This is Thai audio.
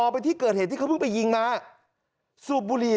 ไปยิงม้าซูบบุหรี่